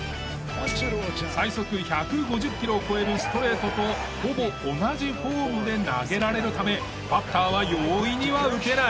最速１５０キロを超えるストレートとほぼ同じフォームで投げられるためバッターは容易には打てない。